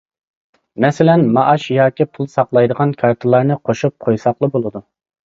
مەسىلەن: مائاش، ياكى پۇل ساقلايدىغان كارتىلارنى قوشۇپ قويساقلا بولىدۇ.